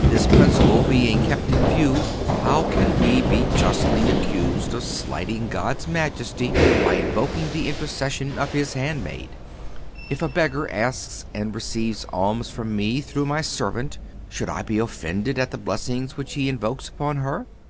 This principle being kept in view, how can we be justly accused of slighting God's majesty by invoking the intercession of His handmaid? If a beggar asks and receives alms from me through my servant, should I be offended at the blessings which he invokes upon her?